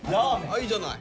いいじゃない。